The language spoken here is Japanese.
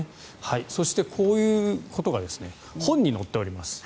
そして、こういうことが本に載っております。